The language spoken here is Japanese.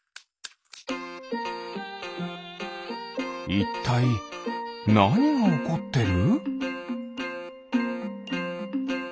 いったいなにがおこってる？